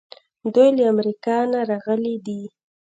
دوی له امریکا نه راغلي دي.